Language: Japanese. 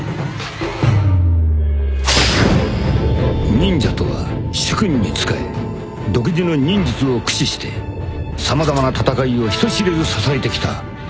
［忍者とは主君に仕え独自の忍術を駆使して様々な戦いを人知れず支えてきた影の軍団である］